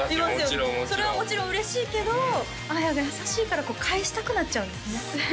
もちろんそれはもちろん嬉しいけどあーやが優しいから返したくなっちゃうんですね